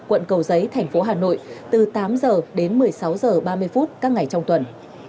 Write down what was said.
quận cầu giấy thành phố hà nội từ tám h đến một mươi sáu h ba mươi phút các ngày trong tuần